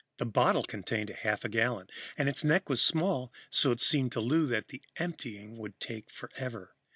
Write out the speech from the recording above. The bottle contained a half gallon, and its neck was small, so it seemed to Lou that the emptying would take forever.